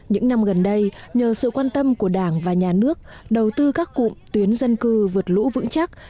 những năm gần đây nhờ sự quan tâm của đảng và nhà nước đầu tư các cụm tuyến dân cư vượt lũ vững chắc